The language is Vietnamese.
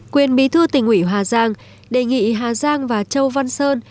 quyền bí thư tỉnh ủy hà giang đề nghị hà giang và châu văn sơn